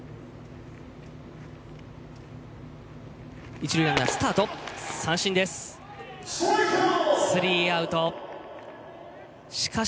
一塁ランナースタートバッターは三振。